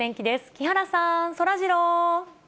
木原さん、そらジロー。